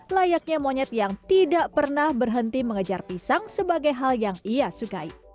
layaknya monyet yang tidak pernah berhenti mengejar pisang sebagai hal yang ia sukai